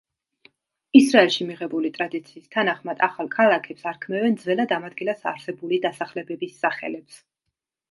ისრაელში მიღებული ტრადიციის თანახმად, ახალ ქალაქებს არქმევენ ძველად ამ ადგილას არსებული დასახლებების სახელებს.